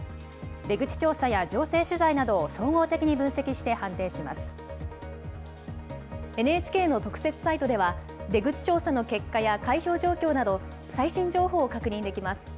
出口調査や情勢取材などＮＨＫの特設サイトでは、出口調査の結果や開票状況など、最新情報を確認できます。